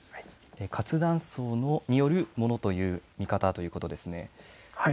活断層によるものという見方ということですね。